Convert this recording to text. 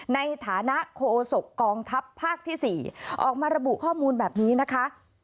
ในฐานะโคศกกองทัพภาคที่๔ออกมาระบุข้อมูลแบบนี้นะคะ